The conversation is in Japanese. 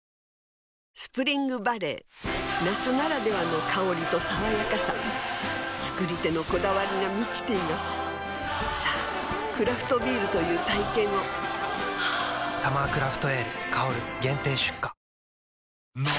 スプリングバレー夏ならではの香りと爽やかさ造り手のこだわりが満ちていますさぁクラフトビールという体験を「サマークラフトエール香」限定出荷の！